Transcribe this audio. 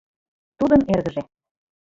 Тудын эргыже.